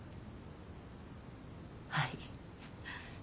はい。